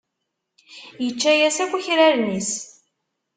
Yečča-as akk akraren-is.